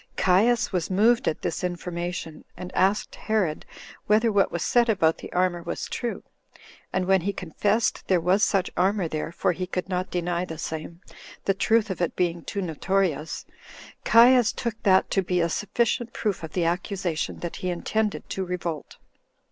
Caius was moved at this information, and asked Herod whether what was said about the armor was true; and when he confessed there was such armor there, for he could not deny the same, the truth of it being too notorious, Caius took that to be a sufficient proof of the accusation, that he intended to revolt.